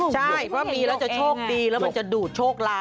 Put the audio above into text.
ใช่เพราะมีแล้วจะโชคดีแล้วมันจะดูดโชคลาภ